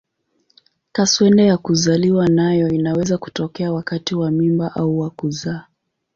Kaswende ya kuzaliwa nayo inaweza kutokea wakati wa mimba au wa kuzaa.